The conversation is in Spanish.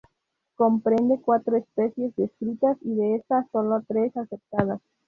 Comprende cuatro especies descritas y de estas, solo tres aceptadas.